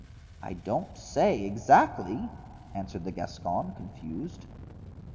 "I don't say exactly," answered the Gascon, confused.